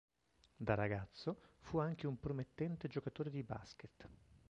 Da ragazzo fu anche un promettente giocatore di basket.